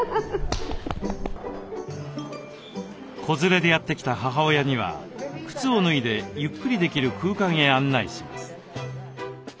子連れでやって来た母親には靴を脱いでゆっくりできる空間へ案内します。